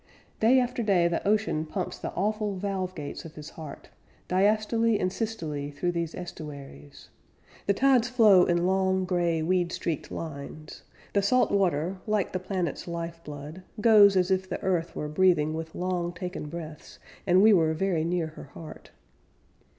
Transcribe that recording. Day after day the ocean pumps The awful valve gates of his heart, Diastole and systole through these estuaries; The tides flow in long, gray, weed streaked lines; The salt water, like the planet's lifeblood, goes As if the earth were breathing with long taken breaths And we were very near her heart.